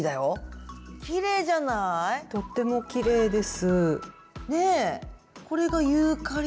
とってもきれいです。